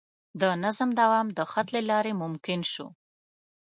د نظم دوام د خط له لارې ممکن شو.